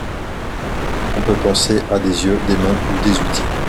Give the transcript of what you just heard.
On peut penser à des yeux, des mains ou des outils.